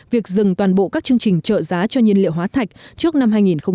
việc dừng toàn bộ các chương trình trợ giá cho nhiên liệu hóa thạch trước năm hai nghìn hai mươi